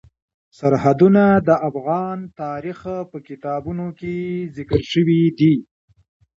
سرحدونه د افغان تاریخ په کتابونو کې ذکر شوی دي.